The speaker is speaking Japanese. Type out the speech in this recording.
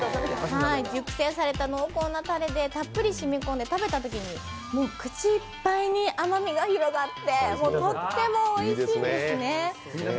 熟成された濃厚なたれでたっぷり染み込んで、食べたときに口いっぱいに甘みが広がってとってもおいしいんですね。